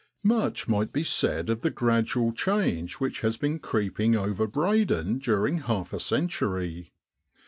Much might be said of the gradual change which has been creeping over Breydon during half a century.